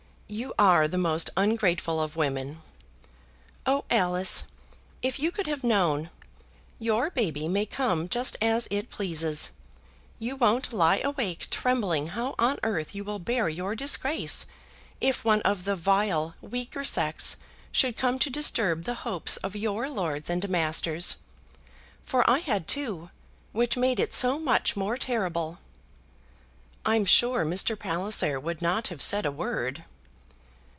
"You are the most ungrateful of women." "Oh, Alice, if you could have known! Your baby may come just as it pleases. You won't lie awake trembling how on earth you will bear your disgrace if one of the vile weaker sex should come to disturb the hopes of your lords and masters; for I had two, which made it so much more terrible." "I'm sure Mr. Palliser would not have said a word."